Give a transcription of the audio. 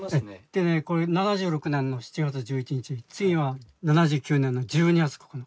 でねこれ７６年の７月１１日次は７９年の１２月９日。